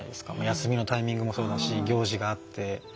休みのタイミングもだし行事があって。